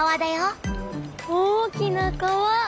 大きな川！